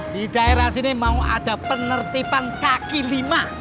di daerah sini mau ada penertiban kaki lima